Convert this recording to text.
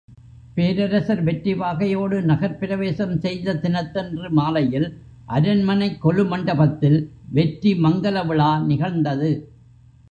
பேரரசர் வெற்றி வாகையோடு நகர்ப் பிரவேசம் செய்த தினத்தன்று மாலையில் அரண்மனைக் கொலு மண்டபத்தில் வெற்றி மங்கலவிழா நிகழ்ந்தது.